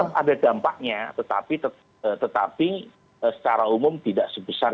tetap ada dampaknya tetapi secara umum tidak sebesar